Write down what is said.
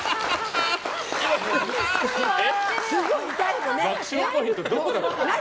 すごい痛いのね。